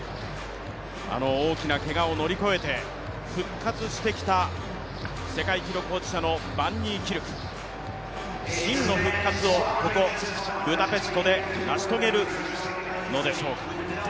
あの大きなけがを乗り越えて復活してきた世界記録保持者のバンニーキルク、真の復活をここブダペストで成し遂げるのでしょう。